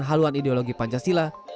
haluan ideologi pancasila